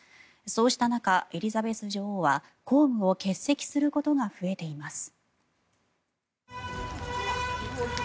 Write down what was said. そうした中、エリザベス女王は公務を欠席することが増えています。